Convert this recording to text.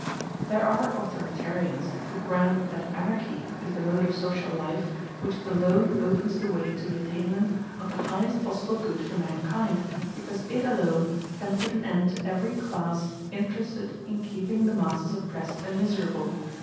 There are authoritarians who grant that Anarchy is the mode of social life which alone opens the way to the attainment of the highest possible good for mankind, because it alone can put an end to every class interested in keeping the masses oppressed and miserable.